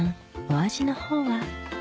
お味のほうは？